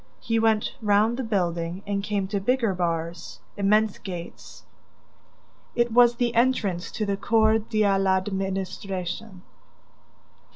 ... He went round the building ... and came to bigger bars, immense gates! ... It was the entrance to the Cour de l'Administration.